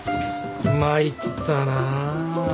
参ったな。